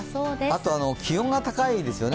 あと、気温が高いですよね